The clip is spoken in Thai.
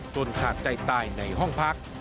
ขาดใจตายในห้องพัก